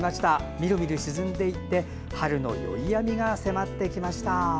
みるみる沈んでいって春の宵闇が迫ってきました。